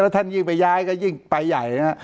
แล้วท่านยิ่งไปย้ายก็ยิ่งไปใหญ่นะ